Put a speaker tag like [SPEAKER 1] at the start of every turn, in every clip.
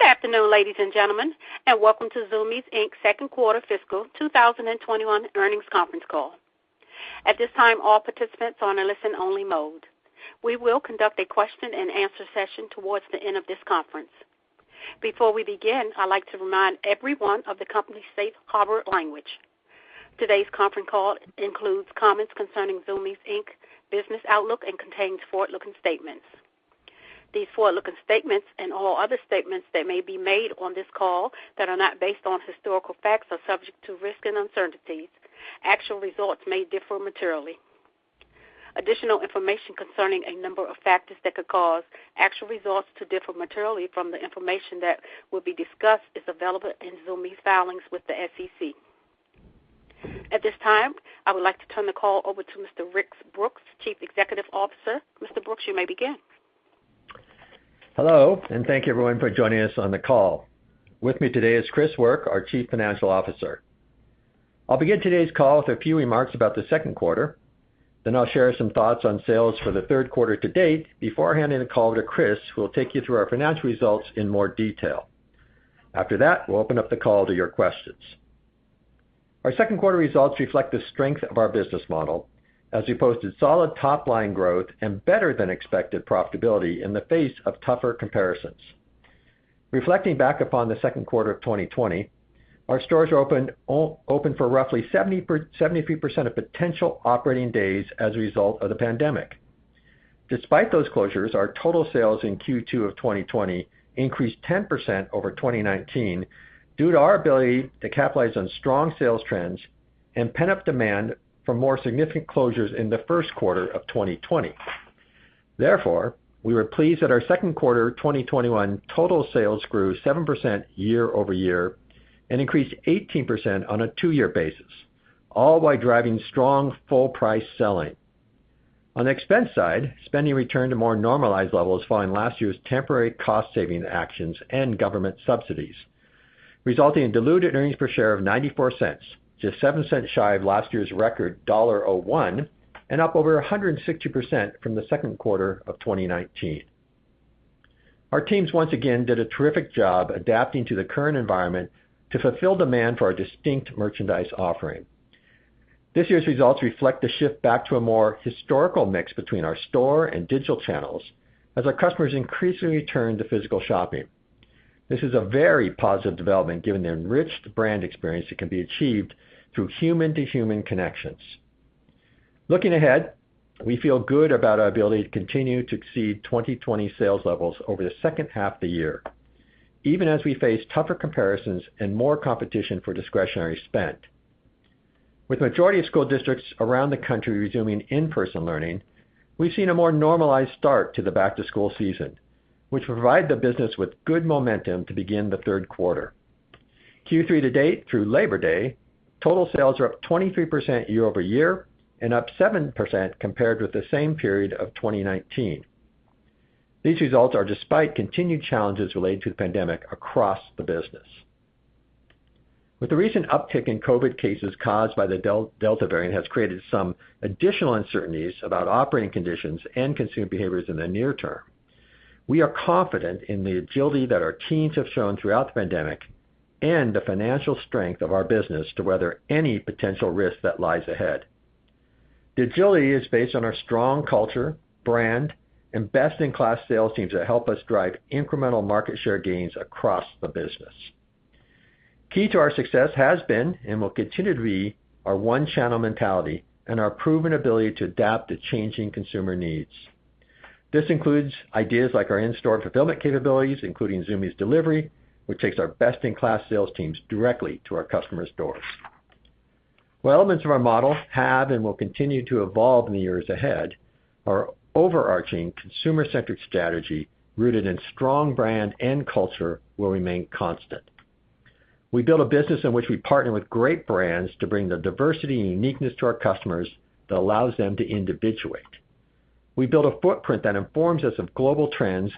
[SPEAKER 1] Good afternoon, ladies and gentlemen, welcome to Zumiez Inc's second quarter fiscal 2021 earnings conference call. At this time, all participants are in a listen-only mode. We will conduct a question and answer session towards the end of this conference. Before we begin, I'd like to remind everyone of the company's safe harbor language. Today's conference call includes comments concerning Zumiez Inc's business outlook and contains forward-looking statements. These forward-looking statements and all other statements that may be made on this call that are not based on historical facts are subject to risks and uncertainties. Actual results may differ materially. Additional information concerning a number of factors that could cause actual results to differ materially from the information that will be discussed is available in Zumiez' filings with the SEC. At this time, I would like to turn the call over to Mr. Rick Brooks, Chief Executive Officer. Mr. Brooks, you may begin.
[SPEAKER 2] Hello, and thank you, everyone, for joining us on the call. With me today is Chris Work, our Chief Financial Officer. I'll begin today's call with a few remarks about the second quarter, then I'll share some thoughts on sales for the third quarter to date before handing the call to Chris, who will take you through our financial results in more detail. After that, we'll open up the call to your questions. Our second quarter results reflect the strength of our business model as we posted solid top-line growth and better-than-expected profitability in the face of tougher comparisons. Reflecting back upon the second quarter of 2020, our stores were open for roughly 73% of potential operating days as a result of the pandemic. Despite those closures, our total sales in Q2 2020 increased 10% over 2019 due to our ability to capitalize on strong sales trends and pent-up demand for more significant closures in the first quarter 2020. We were pleased that our second quarter 2021 total sales grew 7% year-over-year and increased 18% on a two-year basis, all while driving strong full-price selling. On the expense side, spending returned to more normalized levels following last year's temporary cost-saving actions and government subsidies, resulting in diluted earnings per share of $0.94, just $0.07 shy of last year's record $1.01 and up over 160% from the second quarter 2019. Our teams once again did a terrific job adapting to the current environment to fulfill demand for our distinct merchandise offering. This year's results reflect the shift back to a more historical mix between our store and digital channels as our customers increasingly return to physical shopping. This is a very positive development given the enriched brand experience that can be achieved through human-to-human connections. Looking ahead, we feel good about our ability to continue to exceed 2020 sales levels over the second half of the year, even as we face tougher comparisons and more competition for discretionary spend. With the majority of school districts around the country resuming in-person learning, we've seen a more normalized start to the back-to-school season, which will provide the business with good momentum to begin the third quarter. Q3 to date through Labor Day, total sales are up 23% year-over-year and up 7% compared with the same period of 2019. These results are despite continued challenges related to the pandemic across the business. While the recent uptick in COVID cases caused by the Delta variant has created some additional uncertainties about operating conditions and consumer behaviors in the near term, we are confident in the agility that our teams have shown throughout the pandemic and the financial strength of our business to weather any potential risk that lies ahead. The agility is based on our strong culture, brand, and best-in-class sales teams that help us drive incremental market share gains across the business. Key to our success has been and will continue to be our one channel mentality and our proven ability to adapt to changing consumer needs. This includes ideas like our in-store fulfillment capabilities, including Zumiez Delivery, which takes our best-in-class sales teams directly to our customers' doors. While elements of our model have and will continue to evolve in the years ahead, our overarching consumer-centric strategy, rooted in strong brand and culture, will remain constant. We build a business in which we partner with great brands to bring the diversity and uniqueness to our customers that allows them to individuate. We build a footprint that informs us of global trends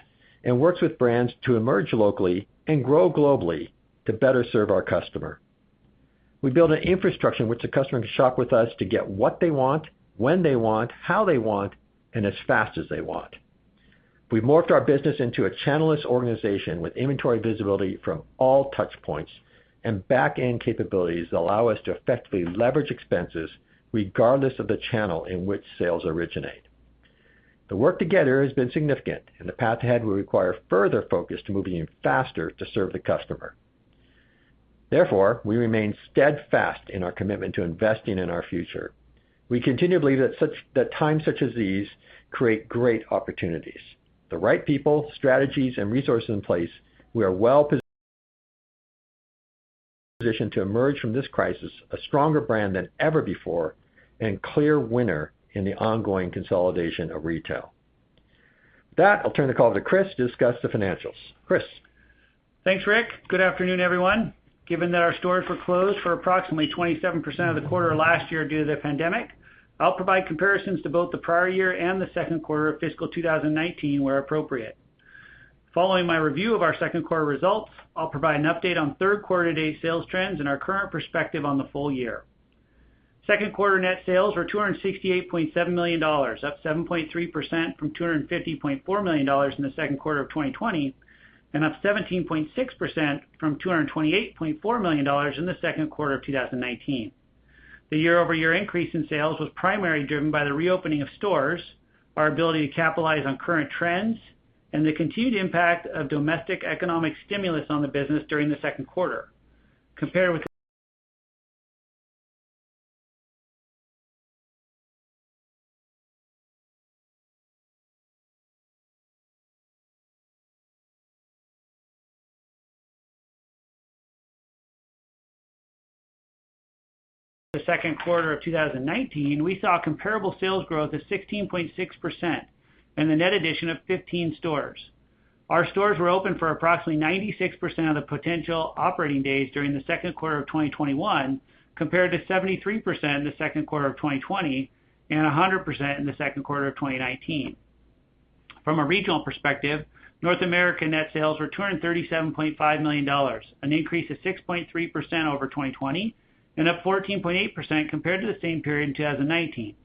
[SPEAKER 2] and works with brands to emerge locally and grow globally to better serve our customer. We build an infrastructure in which the customer can shop with us to get what they want, when they want, how they want, and as fast as they want. We morphed our business into a channel-less organization with inventory visibility from all touchpoints and back-end capabilities that allow us to effectively leverage expenses regardless of the channel in which sales originate. The work to get here has been significant, and the path ahead will require further focus to moving faster to serve the customer. Therefore, we remain steadfast in our commitment to investing in our future. We continue to believe that times such as these create great opportunities. With the right people, strategies, and resources in place, we are well positioned to emerge from this crisis a stronger brand than ever before and clear winner in the ongoing consolidation of retail. With that, I'll turn the call to Chris to discuss the financials. Chris?
[SPEAKER 3] Thanks, Rick. Good afternoon, everyone. Given that our stores were closed for approximately 27% of the Quarter last year due to the pandemic, I'll provide comparisons to both the prior year and the Second Quarter of fiscal 2019 where appropriate. Following my review of our Second Quarter results, I'll provide an update on Third Quarter to date sales trends and our current perspective on the full year. Second Quarter net sales were $268.7 million, up 7.3% from $250.4 million in the Second Quarter of 2020, and up 17.6% from $228.4 million in the Second Quarter of 2019. The year-over-year increase in sales was primarily driven by the reopening of stores, our ability to capitalize on current trends, and the continued impact of domestic economic stimulus on the business during the Second Quarter. Compared with the second quarter of 2019, we saw comparable sales growth of 16.6% and a net addition of 15 stores. Our stores were open for approximately 96% of the potential operating days during the second quarter of 2021, compared to 73% in the second quarter of 2020, and 100% in the second quarter of 2019. From a regional perspective, North American net sales were $237.5 million, an increase of 6.3% over 2020 and up 14.8% compared to the same period in 2019.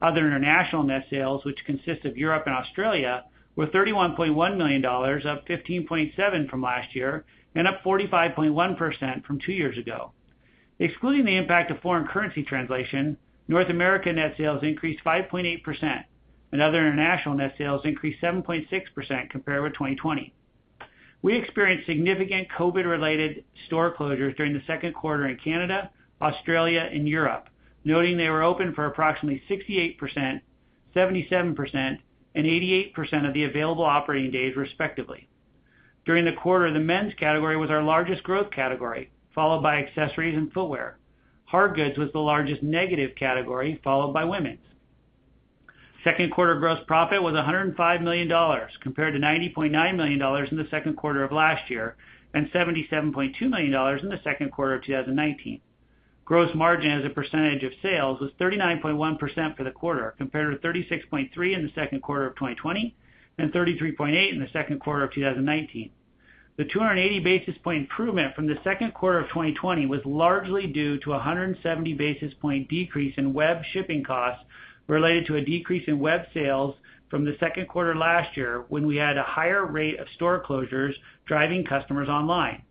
[SPEAKER 3] Other international net sales, which consist of Europe and Australia, were $31.1 million, up 15.7% from last year and up 45.1% from two years ago. Excluding the impact of foreign currency translation, North America net sales increased 5.8%, and other international net sales increased 7.6% compared with 2020. We experienced significant COVID-related store closures during the second quarter in Canada, Australia, and Europe, noting they were open for approximately 68%, 77%, and 88% of the available operating days respectively. During the quarter, the men's category was our largest growth category, followed by accessories and footwear. Hard goods was the largest negative category, followed by women's. Second quarter gross profit was $105 million, compared to $90.9 million in the second quarter of last year, and $77.2 million in the second quarter of 2019. Gross margin as a percentage of sales was 39.1% for the quarter, compared to 36.3% in the second quarter of 2020 and 33.8% in the second quarter of 2019. The 280 basis point improvement from the second quarter of 2020 was largely due to 170 basis point decrease in web shipping costs related to a decrease in web sales from the second quarter last year when we had a higher rate of store closures driving customers online.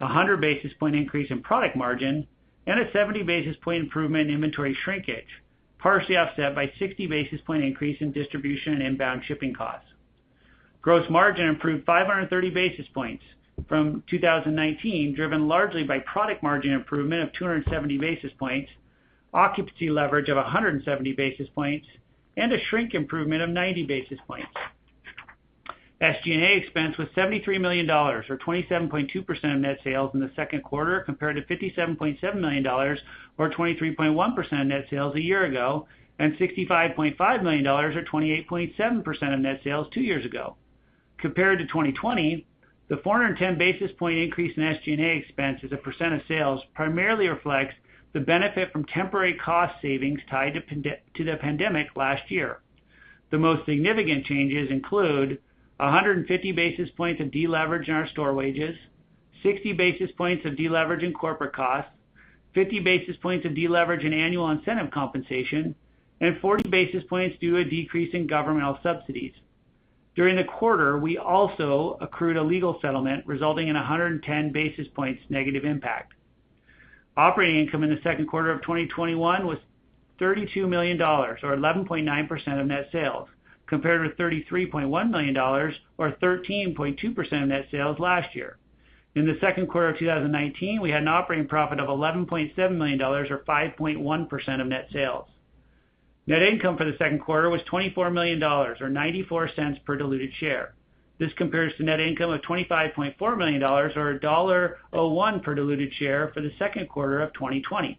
[SPEAKER 3] A 100 basis point increase in product margin and a 70 basis point improvement in inventory shrinkage, partially offset by 60 basis point increase in distribution and inbound shipping costs. Gross margin improved 530 basis points from 2019, driven largely by product margin improvement of 270 basis points, occupancy leverage of 170 basis points, and a shrink improvement of 90 basis points. SG&A expense was $73 million, or 27.2% of net sales in the second quarter, compared to $57.7 million or 23.1% of net sales a year ago, and $65.5 million or 28.7% of net sales two years ago. Compared to 2020, the 410 basis point increase in SG&A expense as a % of sales primarily reflects the benefit from temporary cost savings tied to the pandemic last year. The most significant changes include 150 basis points of deleverage in our store wages, 60 basis points of deleverage in corporate costs, 50 basis points of deleverage in annual incentive compensation, and 40 basis points due a decrease in governmental subsidies. During the quarter, we also accrued a legal settlement resulting in 110 basis points' negative impact. Operating income in the second quarter of 2021 was $32 million, or 11.9% of net sales, compared to $33.1 million or 13.2% of net sales last year. In the second quarter of 2019, we had an operating profit of $11.7 million or 5.1% of net sales. Net income for the second quarter was $24 million, or $0.94 per diluted share. This compares to net income of $25.4 million or $1.01 per diluted share for the second quarter of 2020,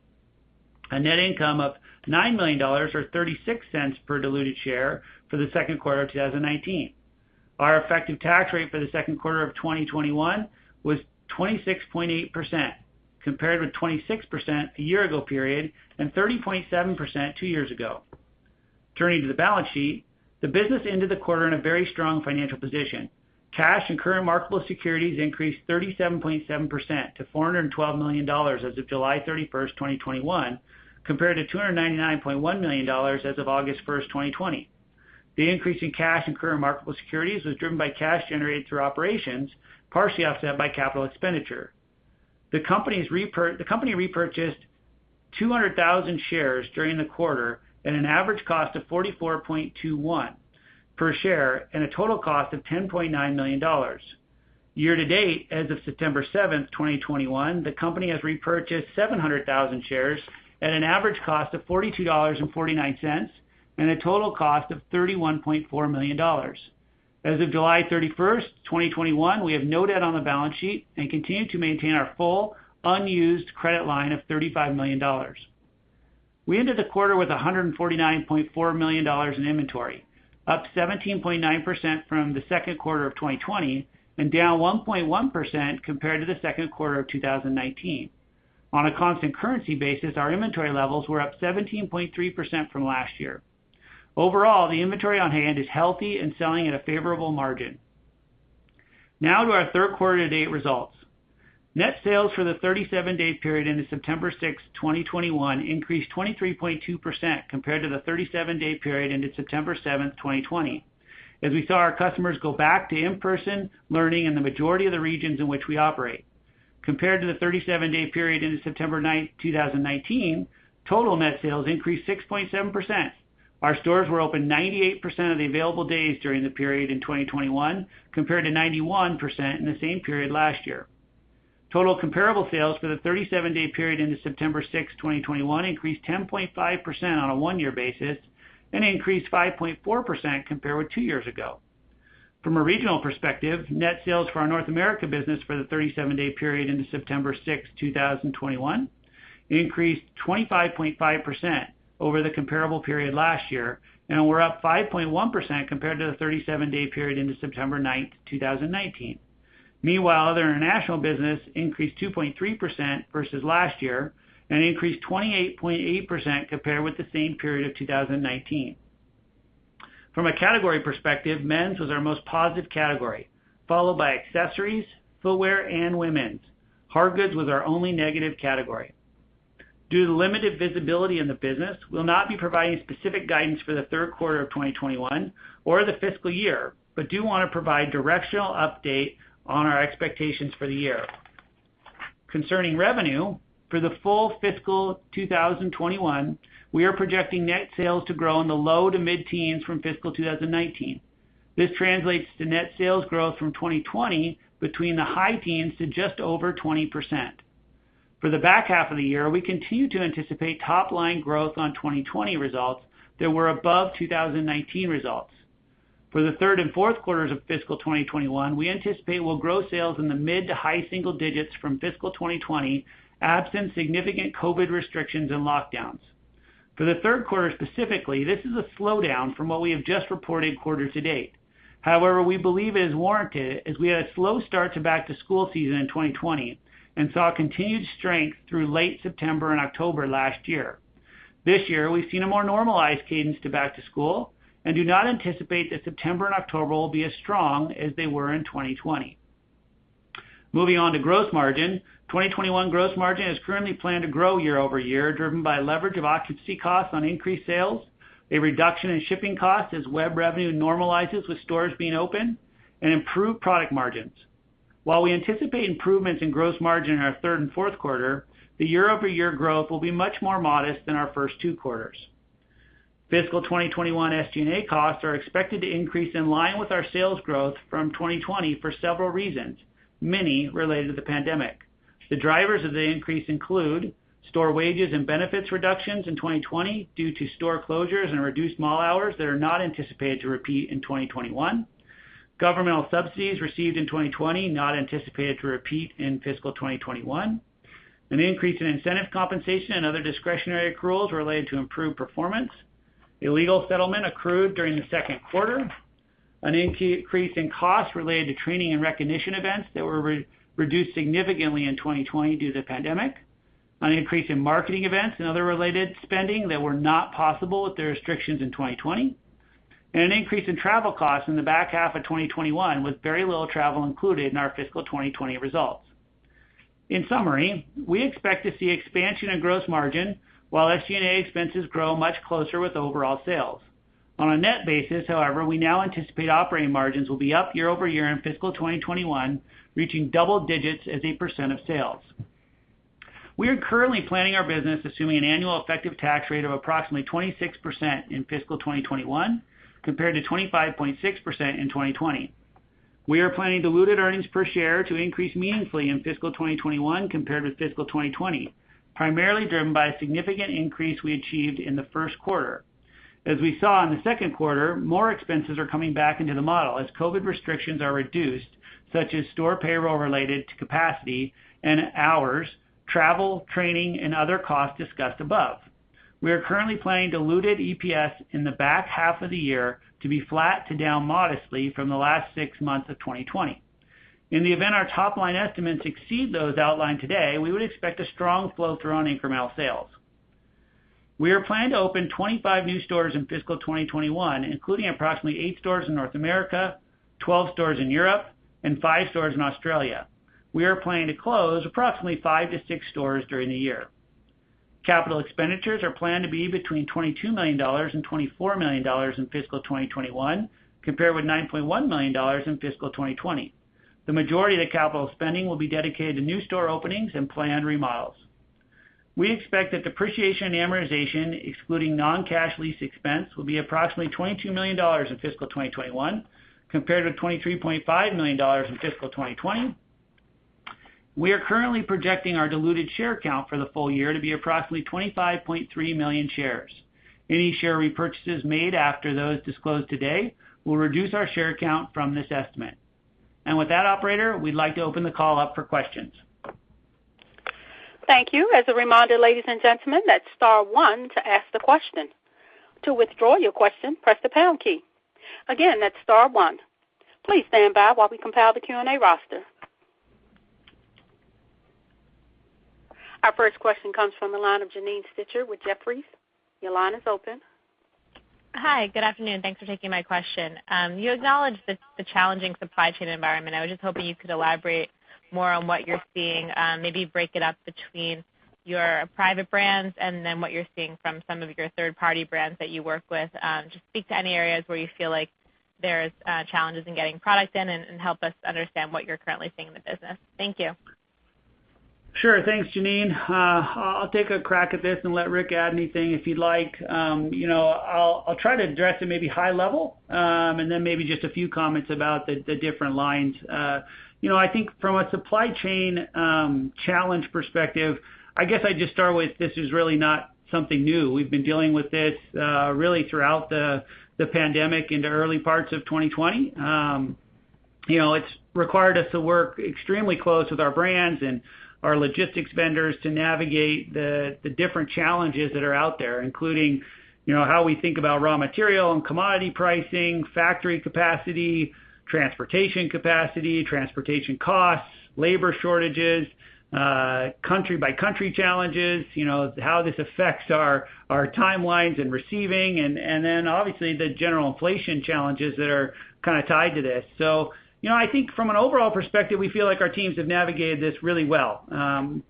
[SPEAKER 3] and net income of $9 million or $0.36 per diluted share for the second quarter of 2019. Our effective tax rate for the second quarter of 2021 was 26.8%, compared with 26% a year ago period and 30.7% two years ago. Turning to the balance sheet, the business ended the quarter in a very strong financial position. Cash and current marketable securities increased 37.7% to $412 million as of July 31, 2021, compared to $299.1 million as of August 1st, 2020. The increase in cash and current marketable securities was driven by cash generated through operations, partially offset by capital expenditure. The company repurchased 200,000 shares during the quarter at an average cost of $44.21 per share and a total cost of $10.9 million. Year to date, as of September 7th, 2021, the company has repurchased 700,000 shares at an average cost of $42.49 and a total cost of $31.4 million. As of July 31st, 2021, we have no debt on the balance sheet and continue to maintain our full unused credit line of $35 million. We ended the quarter with $149.4 million in inventory, up 17.9% from the second quarter of 2020 and down 1.1% compared to the second quarter of 2019. On a constant currency basis, our inventory levels were up 17.3% from last year. Overall, the inventory on hand is healthy and selling at a favorable margin. Now to our third quarter to date results. Net sales for the 37-day period into September 6th, 2021 increased 23.2% compared to the 37-day period into September 7th, 2020, as we saw our customers go back to in-person learning in the majority of the regions in which we operate. Compared to the 37-day period into September 9th, 2019, total net sales increased 6.7%. Our stores were open 98% of the available days during the period in 2021, compared to 91% in the same period last year. Total comparable sales for the 37-day period into September 6th, 2021 increased 10.5% on a one-year basis and increased 5.4% compared with two years ago. From a regional perspective, net sales for our North America business for the 37-day period into September 6th, 2021 increased 25.5% over the comparable period last year, and were up 5.1% compared to the 37-day period into September 9th, 2019. The international business increased 2.3% versus last year and increased 28.8% compared with the same period of 2019. From a category perspective, men's was our most positive category, followed by accessories, footwear, and women's. hard goods was our only negative category. Due to the limited visibility in the business, we'll not be providing specific guidance for the third quarter of 2021 or the fiscal year, but do want to provide directional update on our expectations for the year. Concerning revenue, for the full fiscal 2021, we are projecting net sales to grow in the low to mid-teens from fiscal 2019. This translates to net sales growth from 2020 between the high teens to just over 20%. For the back half of the year, we continue to anticipate top-line growth on 2020 results that were above 2019 results. For the third and fourth quarters of fiscal 2021, we anticipate we'll grow sales in the mid to high single digits from fiscal 2020, absent significant COVID restrictions and lockdowns. For the third quarter specifically, this is a slowdown from what we have just reported quarter to date. However, we believe it is warranted as we had a slow start to back to school season in 2020 and saw continued strength through late September and October last year. This year, we've seen a more normalized cadence to back to school and do not anticipate that September and October will be as strong as they were in 2020. Moving on to gross margin. 2021 gross margin is currently planned to grow year-over-year, driven by leverage of occupancy costs on increased sales, a reduction in shipping costs as web revenue normalizes with stores being open, and improved product margins. While we anticipate improvements in gross margin in our third and fourth quarter, the year-over-year growth will be much more modest than our first two quarters. Fiscal 2021 SG&A costs are expected to increase in line with our sales growth from 2020 for several reasons, many related to the pandemic. The drivers of the increase include store wages and benefits reductions in 2020 due to store closures and reduced mall hours that are not anticipated to repeat in 2021. Governmental subsidies received in 2020 not anticipated to repeat in fiscal 2021. An increase in incentive compensation and other discretionary accruals related to improved performance. A legal settlement accrued during the second quarter. An increase in costs related to training and recognition events that were reduced significantly in 2020 due to the pandemic. An increase in marketing events and other related spending that were not possible with the restrictions in 2020. An increase in travel costs in the back half of 2021, with very little travel included in our fiscal 2020 results. In summary, we expect to see expansion in gross margin while SG&A expenses grow much closer with overall sales. On a net basis, however, we now anticipate operating margins will be up year-over-year in fiscal 2021, reaching double digits as a percent of sales. We are currently planning our business assuming an annual effective tax rate of approximately 26% in fiscal 2021, compared to 25.6% in 2020. We are planning diluted earnings per share to increase meaningfully in fiscal 2021 compared with fiscal 2020, primarily driven by a significant increase we achieved in the first quarter. As we saw in the second quarter, more expenses are coming back into the model as COVID restrictions are reduced, such as store payroll related to capacity and hours, travel, training, and other costs discussed above. We are currently planning diluted EPS in the back half of the year to be flat to down modestly from the last six months of 2020. In the event our top-line estimates exceed those outlined today, we would expect a strong flow-through on incremental sales. We are planning to open 25 new stores in fiscal 2021, including approximately eight stores in North America, 12 stores in Europe, and five stores in Australia. We are planning to close approximately five to six stores during the year. Capital expenditures are planned to be between $22 million and $24 million in fiscal 2021, compared with $9.1 million in fiscal 2020. The majority of the capital spending will be dedicated to new store openings and planned remodels. We expect that depreciation and amortization, excluding non-cash lease expense, will be approximately $22 million in fiscal 2021, compared with $23.5 million in fiscal 2020. We are currently projecting our diluted share count for the full year to be approximately 25.3 million shares. Any share repurchases made after those disclosed today will reduce our share count from this estimate. With that, operator, we'd like to open the call up for questions.
[SPEAKER 1] Thank you. As a reminder, ladies and gentlemen, that's star one to ask the question. To withdraw your question, press the pound key. Again, that's star one. Please stand by while we compile the Q&A roster. Our first question comes from the line of Janine Stichter with Jefferies. Your line is open.
[SPEAKER 4] Hi. Good afternoon. Thanks for taking my question. You acknowledged the challenging supply chain environment. I was just hoping you could elaborate more on what you're seeing. Maybe break it up between your private brands and then what you're seeing from some of your third-party brands that you work with. Just speak to any areas where you feel like there's challenges in getting product in and help us understand what you're currently seeing in the business. Thank you.
[SPEAKER 3] Sure. Thanks, Janine. I'll take a crack at this and let Rick add anything, if you'd like. I'll try to address it maybe high level, and then maybe just a few comments about the different lines. I think from a supply chain challenge perspective, I guess I'd just start with, this is really not something new. We've been dealing with this really throughout the pandemic into early parts of 2020. It's required us to work extremely close with our brands and our logistics vendors to navigate the different challenges that are out there, including how we think about raw material and commodity pricing, factory capacity, transportation capacity, transportation costs, labor shortages, country by country challenges, how this affects our timelines and receiving and then obviously the general inflation challenges that are kind of tied to this. I think from an overall perspective, we feel like our teams have navigated this really well.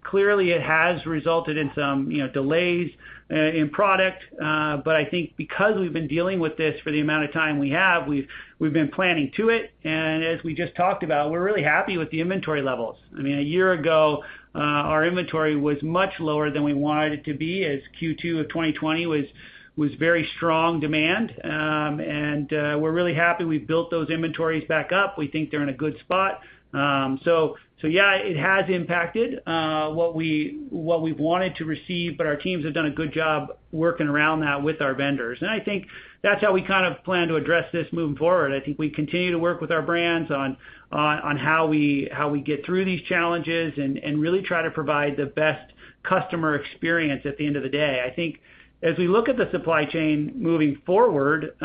[SPEAKER 3] Clearly, it has resulted in some delays in product. I think because we've been dealing with this for the amount of time we have, we've been planning to it, and as we just talked about, we're really happy with the inventory levels. A year ago, our inventory was much lower than we wanted it to be, as Q2 of 2020 was very strong demand. We're really happy we've built those inventories back up. We think they're in a good spot. Yeah, it has impacted what we've wanted to receive, but our teams have done a good job working around that with our vendors. I think that's how we kind of plan to address this moving forward. I think we continue to work with our brands on how we get through these challenges and really try to provide the best customer experience at the end of the day. I think as we look at the supply chain moving forward,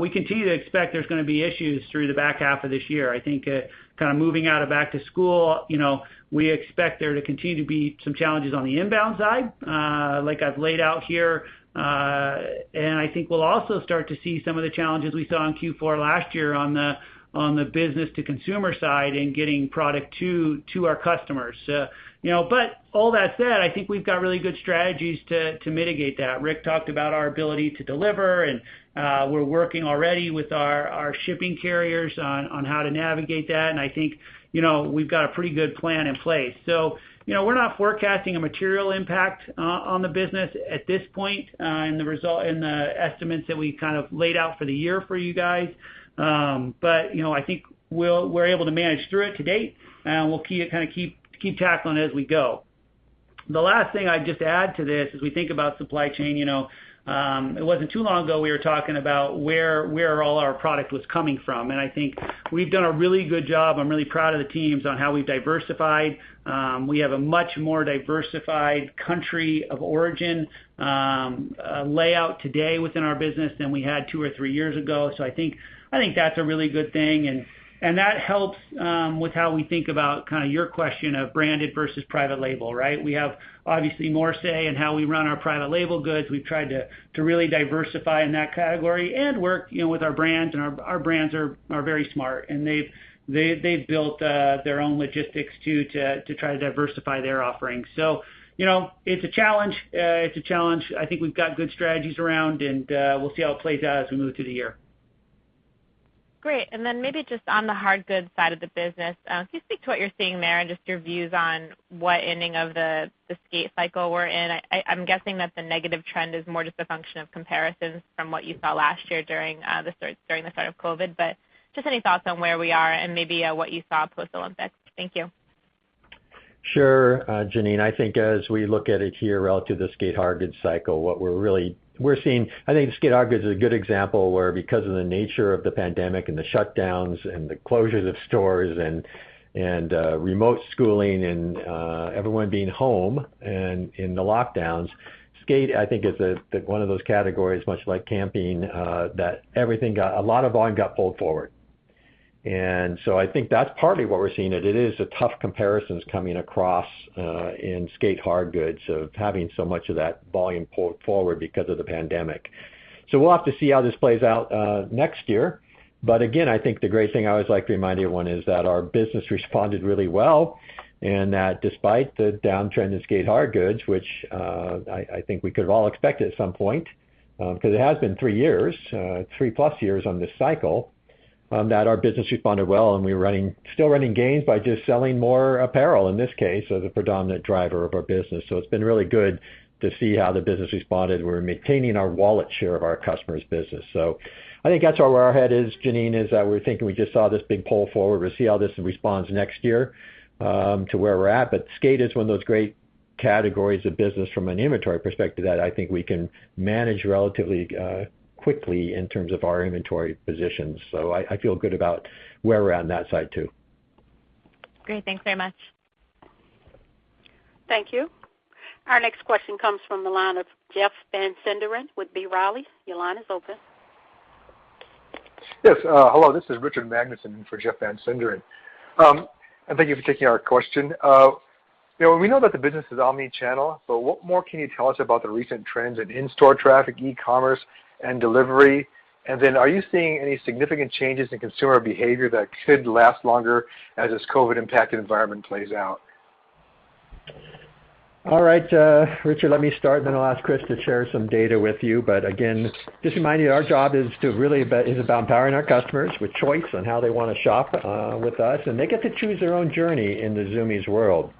[SPEAKER 3] we continue to expect there's going to be issues through the back half of this year. I think kind of moving out of back to school, we expect there to continue to be some challenges on the inbound side, like I've laid out here. I think we'll also start to see some of the challenges we saw in Q4 last year on the business to consumer side in getting product to our customers. All that said, I think we've got really good strategies to mitigate that. Rick talked about our ability to deliver, and we're working already with our shipping carriers on how to navigate that, and I think we've got a pretty good plan in place. We're not forecasting a material impact on the business at this point in the estimates that we kind of laid out for the year for you guys. I think we're able to manage through it to date, and we'll kind of keep tackling it as we go. The last thing I'd just add to this, as we think about supply chain, it wasn't too long ago we were talking about where all our product was coming from, and I think we've done a really good job. I'm really proud of the teams on how we've diversified. We have a much more diversified country of origin layout today within our business than we had two or three years ago. I think that's a really good thing, and that helps with how we think about your question of branded versus private label, right? We have obviously more say in how we run our private label goods. We've tried to really diversify in that category and work with our brands, and our brands are very smart, and they've built their own logistics to try to diversify their offerings. It's a challenge. I think we've got good strategies around, and we'll see how it plays out as we move through the year.
[SPEAKER 4] Great. Then maybe just on the hardgoods side of the business, can you speak to what you're seeing there and just your views on what ending of the skate cycle we're in? I'm guessing that the negative trend is more just a function of comparisons from what you saw last year during the start of COVID, but just any thoughts on where we are and maybe what you saw post-Olympics. Thank you.
[SPEAKER 2] Sure. Janine, I think as we look at it here relative to the skate Hard Goods cycle, I think skate Hard Goods is a good example where because of the nature of the pandemic and the shutdowns and the closures of stores and remote schooling and everyone being home and in the lockdowns, skate, I think is one of those categories, much like camping, that a lot of volume got pulled forward. I think that's partly what we're seeing, that it is the tough comparisons coming across in skate Hard Goods of having so much of that volume pulled forward because of the pandemic. We'll have to see how this plays out next year. Again, I think the great thing I always like to remind everyone is that our business responded really well, and that despite the downtrend in skate hard goods, which I think we could have all expected at some point, because it has been three years, 3+ years on this cycle, that our business responded well, and we're still running gains by just selling more apparel in this case as a predominant driver of our business. It's been really good to see how the business responded. We're maintaining our wallet share of our customers' business. I think that's where our head is, Janine, is that we're thinking we just saw this big pull forward. We'll see how this responds next year to where we're at. Skate is one of those great categories of business from an inventory perspective that I think we can manage relatively quickly in terms of our inventory positions. I feel good about where we're at on that side, too.
[SPEAKER 4] Great. Thanks very much.
[SPEAKER 1] Thank you. Our next question comes from the line of Jeff Van Sinderen with B. Riley. Your line is open.
[SPEAKER 5] Yes. Hello, this is Richard Magnusen for Jeff Van Sinderen. Thank you for taking our question. We know that the business is omni-channel, but what more can you tell us about the recent trends in in-store traffic, e-commerce, and delivery? Are you seeing any significant changes in consumer behavior that could last longer as this COVID impacted environment plays out?
[SPEAKER 2] All right, Richard, let me start, and then I'll ask Chris to share some data with you. Again, just remind you that our job is about empowering our customers with choice on how they want to shop with us, and they get to choose their own journey in the Zumiez world.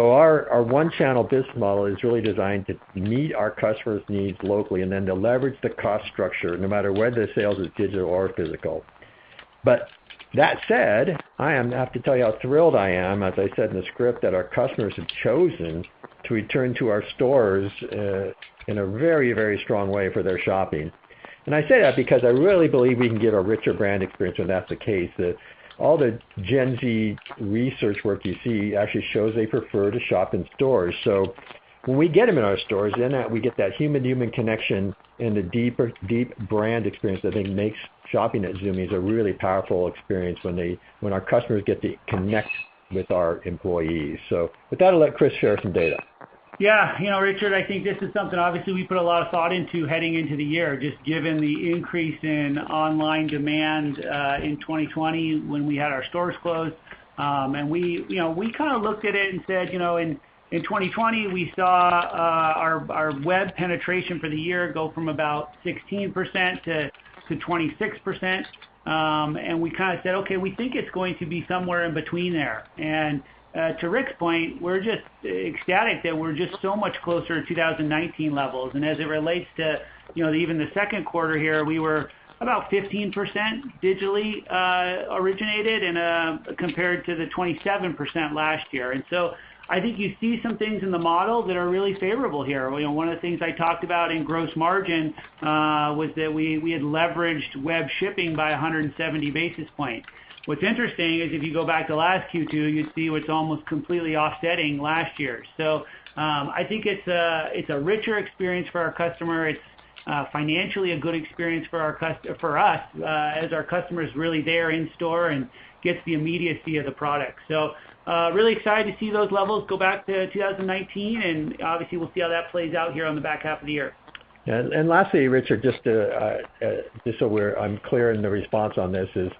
[SPEAKER 2] Our one-channel biz model is really designed to meet our customers' needs locally and then to leverage the cost structure, no matter whether the sales is digital or physical. That said, I have to tell you how thrilled I am, as I said in the script, that our customers have chosen to return to our stores in a very strong way for their shopping. I say that because I really believe we can give a richer brand experience when that's the case. That all the Gen Z research work you see actually shows they prefer to shop in stores. When we get them in our stores, then we get that human connection and the deep brand experience that I think makes shopping at Zumiez a really powerful experience when our customers get to connect with our employees. With that, I'll let Chris share some data.
[SPEAKER 3] Yeah. Richard, I think this is something obviously we put a lot of thought into heading into the year, just given the increase in online demand in 2020 when we had our stores closed. We looked at it and said, in 2020, we saw our web penetration for the year go from about 16%-26%. We said, "Okay, we think it's going to be somewhere in between there." To Rick's point, we're just ecstatic that we're just so much closer to 2019 levels. As it relates to even the second quarter here, we were about 15% digitally originated compared to the 27% last year. I think you see some things in the model that are really favorable here. One of the things I talked about in gross margin was that we had leveraged web shipping by 170 basis points. What's interesting is if you go back to last Q2, you'd see it's almost completely offsetting last year. I think it's a richer experience for our customer. It's financially a good experience for us, as our customer is really there in store and gets the immediacy of the product. Really excited to see those levels go back to 2019, and obviously, we'll see how that plays out here on the back half of the year.
[SPEAKER 2] Lastly, Richard, just so I'm clear in the response on this is,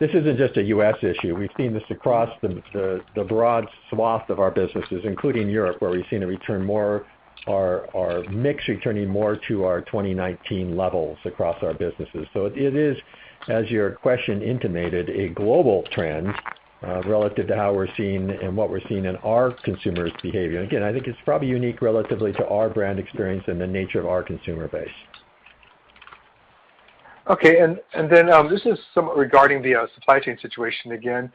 [SPEAKER 2] this isn't just a U.S. issue. We've seen this across the broad swath of our businesses, including Europe, where we've seen our mix returning more to our 2019 levels across our businesses. It is, as your question intimated, a global trend relative to how we're seeing and what we're seeing in our consumers' behavior. Again, I think it's probably unique relatively to our brand experience and the nature of our consumer base.
[SPEAKER 5] Okay. This is regarding the supply chain situation again.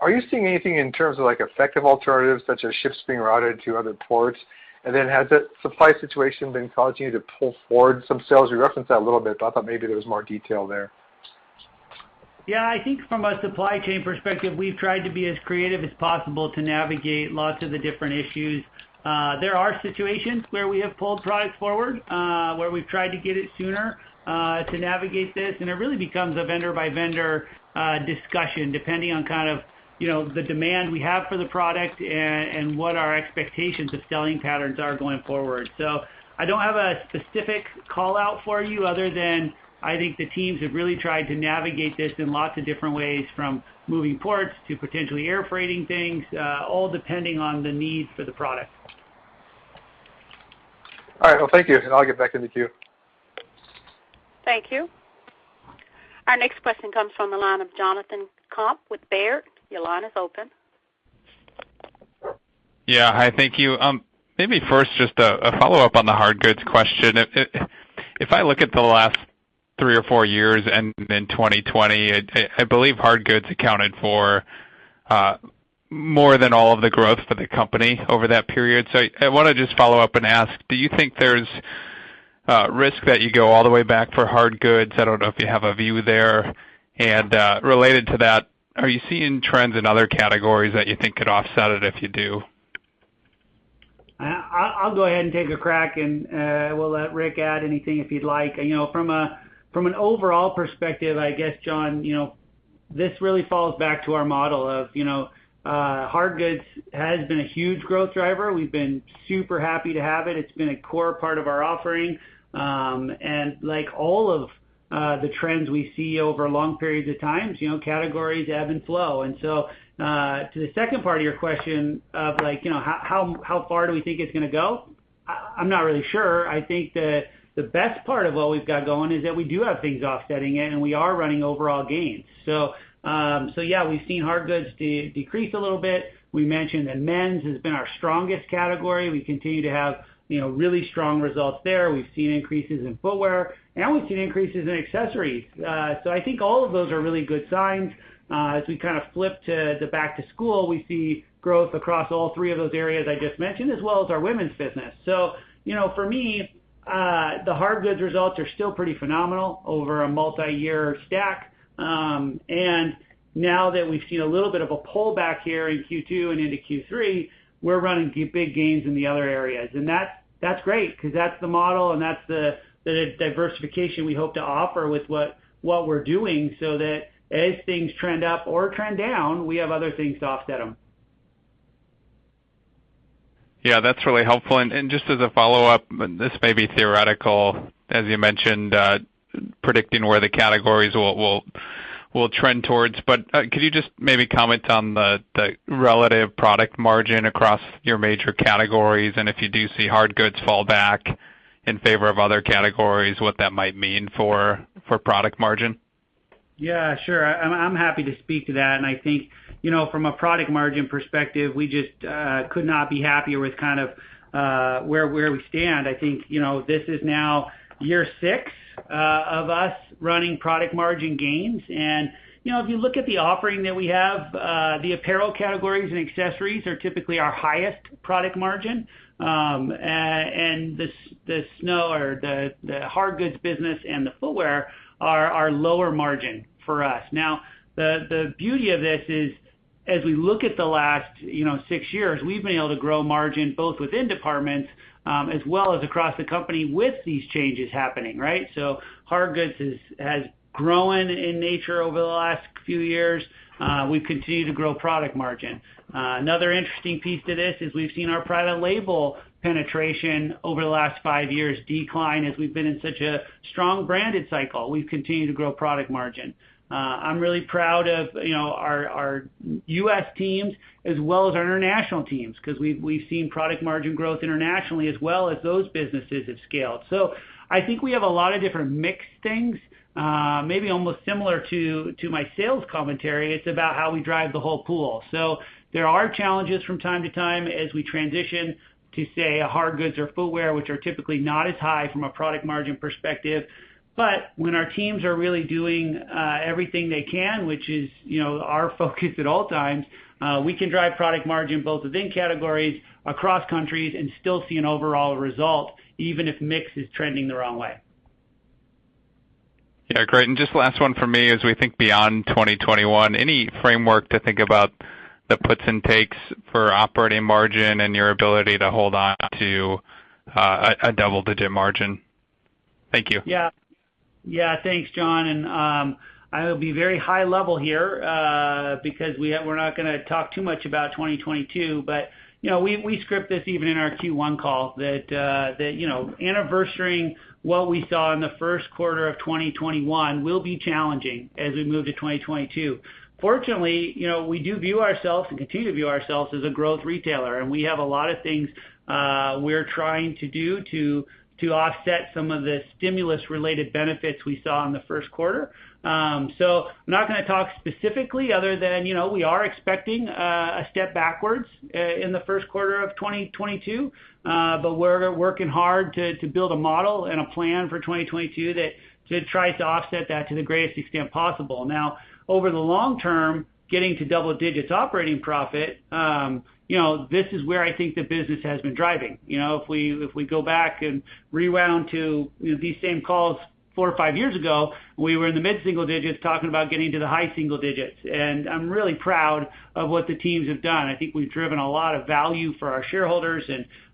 [SPEAKER 5] Are you seeing anything in terms of effective alternatives such as ships being routed to other ports? Has the supply situation been causing you to pull forward some sales? You referenced that a little bit, but I thought maybe there was more detail there.
[SPEAKER 3] I think from a supply chain perspective, we've tried to be as creative as possible to navigate lots of the different issues. There are situations where we have pulled products forward, where we've tried to get it sooner to navigate this. It really becomes a vendor by vendor discussion, depending on the demand we have for the product and what our expectations of selling patterns are going forward. I don't have a specific call-out for you other than I think the teams have really tried to navigate this in lots of different ways, from moving ports to potentially air freighting things, all depending on the needs for the product.
[SPEAKER 5] All right. Well, thank you, and I'll get back in the queue.
[SPEAKER 1] Thank you. Our next question comes from the line of Jonathan Komp with Baird. Your line is open.
[SPEAKER 6] Yeah. Hi, thank you. Maybe first, just a follow-up on the hard goods question. If I look at the last three or four years and then 2020, I believe hard goods accounted for more than all of the growth for the company over that period. I want to just follow up and ask, do you think there's risk that you go all the way back for hard goods? I don't know if you have a view there. Related to that, are you seeing trends in other categories that you think could offset it if you do?
[SPEAKER 3] I'll go ahead and take a crack, and we'll let Rick add anything if he'd like. From an overall perspective, I guess, Jon, this really falls back to our model of hard goods has been a huge growth driver. We've been super happy to have it. It's been a core part of our offering. Like all of the trends we see over long periods of times, categories ebb and flow. To the second part of your question of how far do we think it's going to go, I'm not really sure. I think that the best part of what we've got going is that we do have things offsetting it, and we are running overall gains. Yeah, we've seen hard goods decrease a little bit. We mentioned that men's has been our strongest category. We continue to have really strong results there. We've seen increases in footwear, and we've seen increases in accessories. I think all of those are really good signs. As we flip to back to school, we see growth across all three of those areas I just mentioned, as well as our women's business. For me, the hard goods results are still pretty phenomenal over a multiyear stack. Now that we've seen a little bit of a pullback here in Q2 and into Q3, we're running big gains in the other areas. That's great because that's the model and that's the diversification we hope to offer with what we're doing, so that as things trend up or trend down, we have other things to offset them.
[SPEAKER 6] Yeah, that's really helpful. Just as a follow-up, this may be theoretical, as you mentioned, predicting where the categories will trend towards, but could you just maybe comment on the relative product margin across your major categories? If you do see hard goods fall back in favor of other categories, what that might mean for product margin?
[SPEAKER 3] Yeah, sure. I'm happy to speak to that. I think from a product margin perspective, we just could not be happier with where we stand. I think this is now year six of us running product margin gains, and if you look at the offering that we have, the apparel categories and accessories are typically our highest product margin. The snow or the hard goods business and the footwear are lower margin for us. Now, the beauty of this is, as we look at the last six years, we've been able to grow margin both within departments as well as across the company with these changes happening, right? Hard goods has grown in nature over the last few years. We've continued to grow product margin. Another interesting piece to this is we've seen our private label penetration over the last five years decline as we've been in such a strong branded cycle. We've continued to grow product margin. I'm really proud of our U.S. teams as well as our international teams because we've seen product margin growth internationally as well as those businesses have scaled. I think we have a lot of different mixed things, maybe almost similar to my sales commentary. It's about how we drive the whole pool. There are challenges from time to time as we transition to, say, a hard goods or footwear, which are typically not as high from a product margin perspective. When our teams are really doing everything they can, which is our focus at all times, we can drive product margin both within categories, across countries, and still see an overall result, even if mix is trending the wrong way.
[SPEAKER 6] Yeah, great. Just last one from me. As we think beyond 2021, any framework to think about the puts and takes for operating margin and your ability to hold on to a double-digit margin? Thank you.
[SPEAKER 3] Yeah. Thanks, Jon. I will be very high level here, because we're not going to talk too much about 2022, but we script this even in our Q1 call that anniversarying what we saw in the first quarter of 2021 will be challenging as we move to 2022. Fortunately, we do view ourselves, and continue to view ourselves as a growth retailer, and we have a lot of things we're trying to do to offset some of the stimulus-related benefits we saw in the first quarter. I'm not going to talk specifically other than we are expecting a step backwards in the first quarter of 2022. We're working hard to build a model and a plan for 2022 that tries to offset that to the greatest extent possible. Now, over the long term, getting to double digits operating profit, this is where I think the business has been driving. If we go back and rewound to these same calls four or five years ago, we were in the mid-single digits talking about getting to the high single digits. I'm really proud of what the teams have done. I think we've driven a lot of value for our shareholders,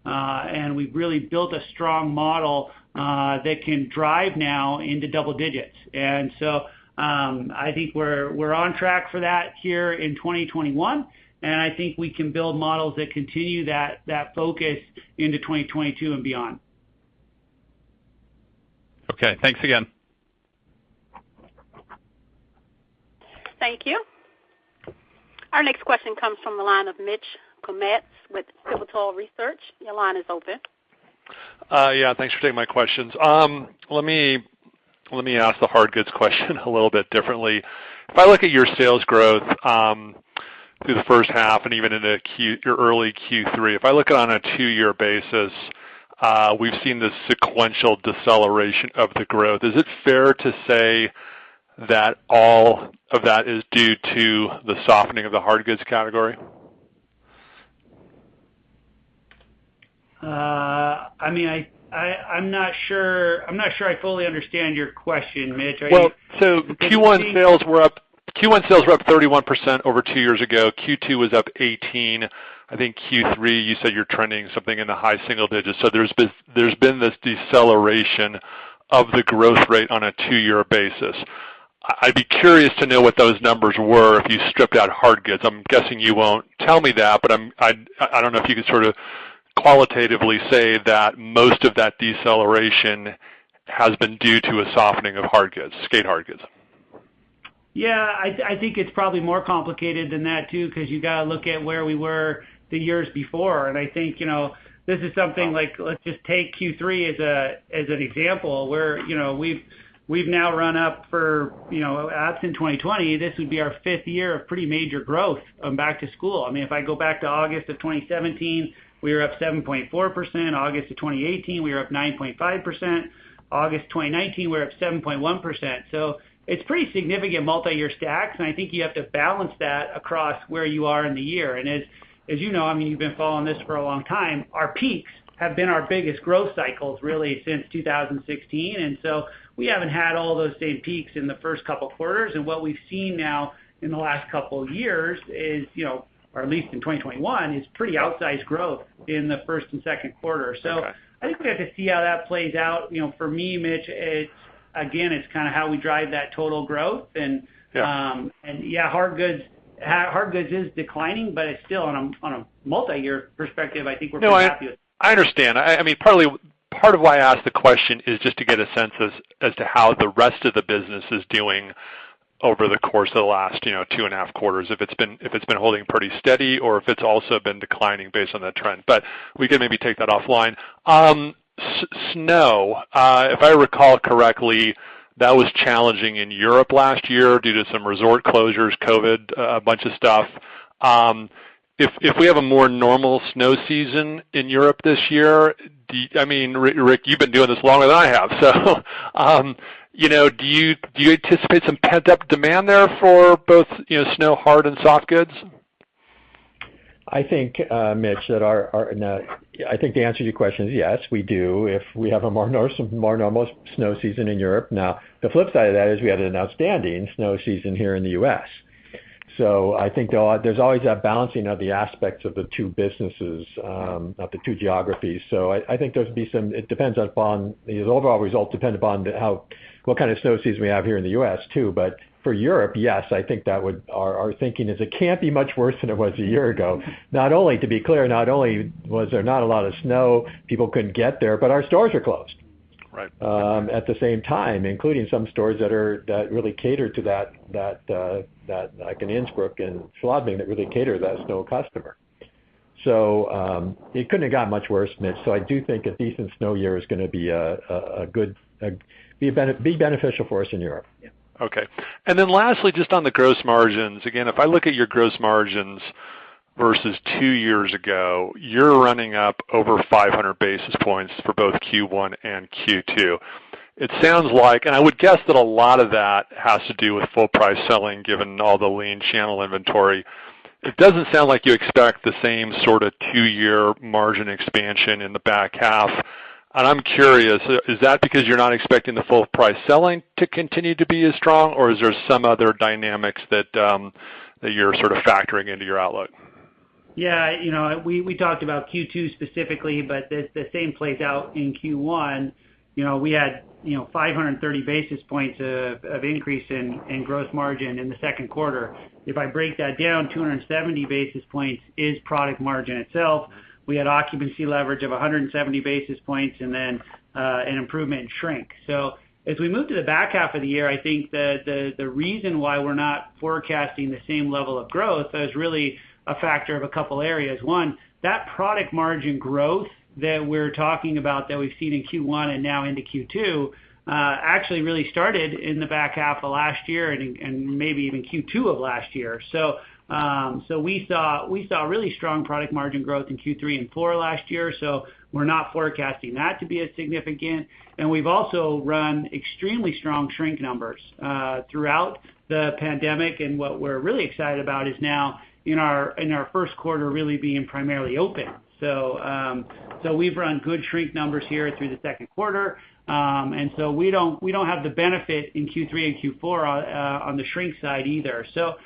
[SPEAKER 3] and we've really built a strong model that can drive now into double digits. I think we're on track for that here in 2021, and I think we can build models that continue that focus into 2022 and beyond.
[SPEAKER 6] Okay, thanks again.
[SPEAKER 1] Thank you. Our next question comes from the line of Mitch Kummetz with Pivotal Research. Your line is open.
[SPEAKER 7] Yeah, thanks for taking my questions. Let me ask the hard goods question a little bit differently. If I look at your sales growth through the first half and even into your early Q3, if I look on a two-year basis, we've seen this sequential deceleration of the growth. Is it fair to say that all of that is due to the softening of the hard goods category?
[SPEAKER 3] I'm not sure I fully understand your question, Mitch.
[SPEAKER 7] Well, Q1 sales were up 31% over two years ago. Q2 was up 18%. I think Q3, you said you're trending something in the high single digits. There's been this deceleration of the growth rate on a two-year basis. I'd be curious to know what those numbers were if you stripped out hard goods. I'm guessing you won't tell me that, but I don't know if you could sort of qualitatively say that most of that deceleration has been due to a softening of hard goods, skate hard goods.
[SPEAKER 3] I think it's probably more complicated than that, too because you got to look at where we were the years before. I think this is something like, let's just take Q3 as an example, where we've now run up for, absent 2020, this would be our fifth year of pretty major growth of back to school. If I go back to August of 2017, we were up 7.4%. August of 2018, we were up 9.5%. August 2019, we're up 7.1%. It's pretty significant multi-year stacks, and I think you have to balance that across where you are in the year. As you know, you've been following this for a long time, our peaks have been our biggest growth cycles, really since 2016. We haven't had all those same peaks in the first couple quarters, and what we've seen now in the last couple years is, or at least in 2021, is pretty outsized growth in the first and second quarter.
[SPEAKER 7] Okay.
[SPEAKER 3] I think we have to see how that plays out. For me, Mitch, again, it's kind of how we drive that total growth and.
[SPEAKER 7] Yeah
[SPEAKER 3] Yeah, hard goods is declining, but it's still on a multi-year perspective, I think we're pretty happy with.
[SPEAKER 7] No, I understand. Part of why I asked the question is just to get a sense as to how the rest of the business is doing over the course of the last 2.5 quarters, if it's been holding pretty steady or if it's also been declining based on that trend. We could maybe take that offline. Snow, if I recall correctly, that was challenging in Europe last year due to some resort closures, COVID, a bunch of stuff. If we have a more normal snow season in Europe this year, Rick, you've been doing this longer than I have, so do you anticipate some pent-up demand there for both snow hard and soft goods?
[SPEAKER 2] I think, Mitch, that the answer to your question is yes, we do, if we have a more normal snow season in Europe. Now, the flip side of that is we had an outstanding snow season here in the U.S. I think there's always that balancing of the aspects of the two businesses, of the two geographies. I think the overall results depend upon what kind of snow season we have here in the U.S., too. For Europe, yes, our thinking is it can't be much worse than it was a year ago. To be clear, not only was there not a lot of snow, people couldn't get there, but our stores were closed.
[SPEAKER 7] Right.
[SPEAKER 2] At the same time, including some stores like in Innsbruck and Schladming, that really cater to that snow customer. It couldn't have got much worse, Mitch. I do think a decent snow year is going to be beneficial for us in Europe.
[SPEAKER 7] Okay. Lastly, just on the gross margins. Again, if I look at your gross margins versus two years ago, you're running up over 500 basis points for both Q1 and Q2. It sounds like, I would guess that a lot of that has to do with full price selling, given all the lean channel inventory. It doesn't sound like you expect the same sort of two-year margin expansion in the back half. I'm curious, is that because you're not expecting the full price selling to continue to be as strong, or is there some other dynamics that you're factoring into your outlook?
[SPEAKER 3] We talked about Q2 specifically, but the same plays out in Q1. We had 530 basis points of increase in gross margin in the second quarter. If I break that down, 270 basis points is product margin itself. We had occupancy leverage of 170 basis points, an improvement in shrink. As we move to the back half of the year, I think the reason why we're not forecasting the same level of growth is really a factor of a couple areas. One, that product margin growth that we're talking about, that we've seen in Q1 and now into Q2, actually really started in the back half of last year and maybe even Q2 of last year. We saw really strong product margin growth in Q3 and Q4 last year, we're not forecasting that to be as significant. We've also run extremely strong shrink numbers throughout the pandemic. What we're really excited about is now in our first quarter really being primarily open. We've run good shrink numbers here through the second quarter. We don't have the benefit in Q3 and Q4 on the shrink side either. That's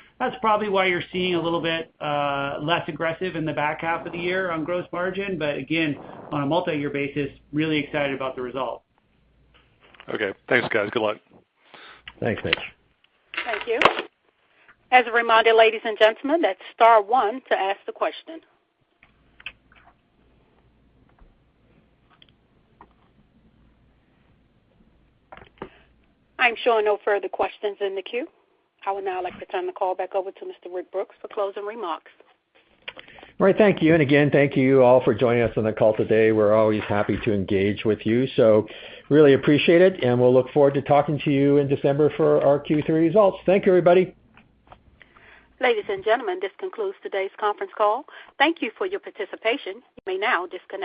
[SPEAKER 3] probably why you're seeing a little bit less aggressive in the back half of the year on gross margin, but again, on a multi-year basis, really excited about the results.
[SPEAKER 7] Okay. Thanks, guys. Good luck.
[SPEAKER 2] Thanks, Mitch.
[SPEAKER 1] Thank you. As a reminder, ladies and gentlemen, that's star one to ask the question. I'm showing no further questions in the queue. I would now like to turn the call back over to Mr. Rick Brooks for closing remarks.
[SPEAKER 2] All right. Thank you. Again, thank you all for joining us on the call today. We're always happy to engage with you. Really appreciate it, and we'll look forward to talking to you in December for our Q3 results. Thank you, everybody.
[SPEAKER 1] Ladies and gentlemen, this concludes today's conference call. Thank you for your participation. You may now disconnect.